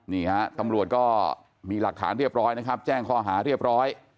นี่ฮะตำรวจก็มีหลักฐานเรียบร้อยนะครับแจ้งข้อหาเรียบร้อย